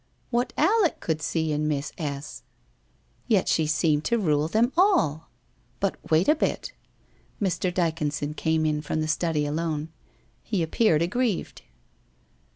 What Alec could 6ee in Miss S. ! Yet she seemed to rule them all? But wait a bit! ... Mr. Dyconson came in from the study alone. He ap peared aggrieved.